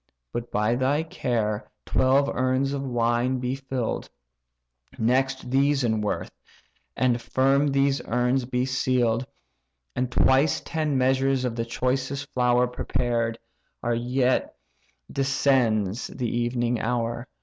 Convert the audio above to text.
But by thy care twelve urns of wine be fill'd; Next these in worth, and firm these urns be seal'd; And twice ten measures of the choicest flour Prepared, ere yet descends the evening hour.